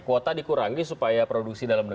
kuota dikurangi supaya produksi dalam negeri